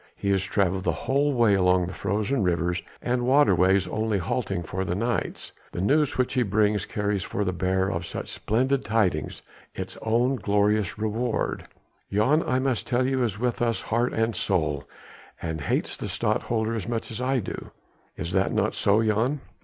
He has travelled the whole way along the frozen rivers and waterways only halting for the nights. The news which he brings carries for the bearer of such splendid tidings its own glorious reward; Jan, I must tell you, is with us heart and soul and hates the Stadtholder as much as I do. Is that not so, Jan?"